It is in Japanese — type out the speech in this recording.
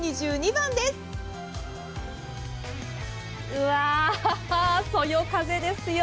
うわ、そよ風ですよ。